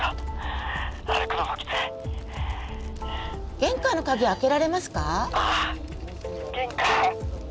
玄関の鍵開けられますか？